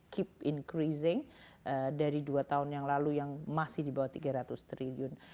keep incruising dari dua tahun yang lalu yang masih di bawah tiga ratus triliun